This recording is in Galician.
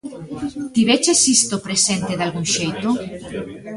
Tiveches isto presente dalgún xeito?